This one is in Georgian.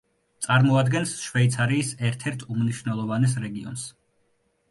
წარმოადგენს შვეიცარიის ერთ-ერთ უმნიშვნელოვანეს რეგიონს.